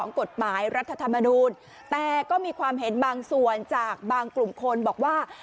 กฎหมายรัฐธรรมนูลแต่ก็มีความเห็นบางส่วนจากบางกลุ่มคนบอกว่า